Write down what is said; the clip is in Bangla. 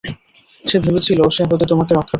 সে ভেবেছিল সে হয়ত তোমাকে রক্ষা করতে পারবে।